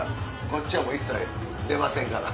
こっちはもう一切出ませんから。